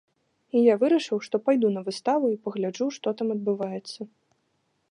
І я вырашыў, што пайду на выставу і пагляджу, што там адбываецца.